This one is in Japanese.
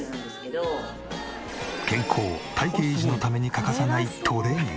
健康体形維持のために欠かさないトレーニング。